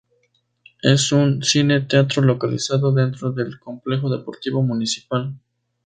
Es un cine-teatro localizado dentro del Complejo Deportivo Municipal.